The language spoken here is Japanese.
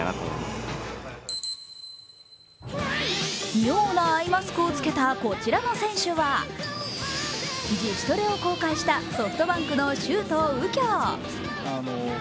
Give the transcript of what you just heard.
妙なアイマスクを着けたこちらの選手は自主トレを公開したソフトバンクの周東佑京。